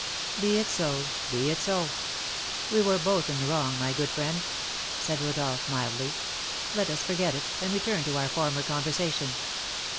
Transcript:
"Be it so, be it so; we were both in the wrong, my good friend," said Rodolph, mildly; "let us forget it, and return to our former conversation.